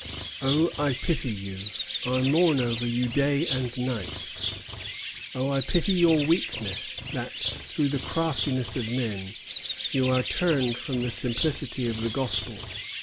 Oh, I pity you, I mourn over you day and night. Oh, I pity your weakness that, through the craftiness of man, you are turned from the simplicity of the gospel."